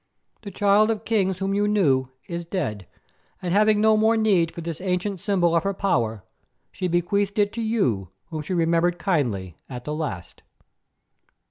"The Child of Kings whom you knew is dead, and having no more need for this ancient symbol of her power, she bequeathed it to you whom she remembered kindly at the last."